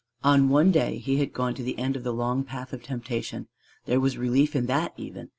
On one day he had gone to the end of the long path of temptation: there was relief in that even.